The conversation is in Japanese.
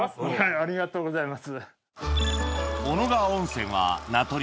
ありがとうございます。